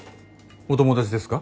お友達ですか？